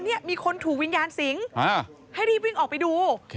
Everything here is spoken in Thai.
มีคนถูกวิญญาณสิงให้รีบวิ่งออกไปดู